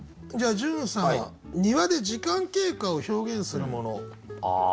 じゃあ潤さん庭で時間経過を表現するもの。